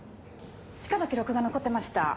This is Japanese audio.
歯科の記録が残ってました。